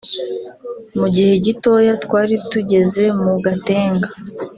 Mu gihe gitoya twari tugeze mu Gatenga